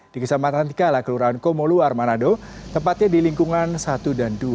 di kecamatan tikala kelurahan komolu armanado tempatnya di lingkungan satu dan dua